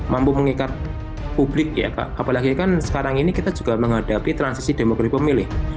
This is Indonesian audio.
mampu mengikat publik ya pak apalagi kan sekarang ini kita juga menghadapi transisi demokrasi pemilih pemilih